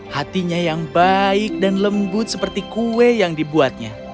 hatinya yang baik dan lembut seperti kue yang dibuatnya